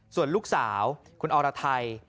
ส่วนลูกสาวคุณอรไทย